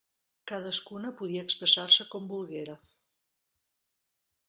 Cadascuna podia expressar-se com volguera.